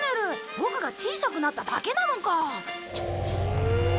ボクが小さくなっただけなのか。